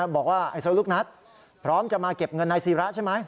บอกว่าไฮโซลูกนัดพร้อมจะมาเก็บเงินนายศิระใช่ไหม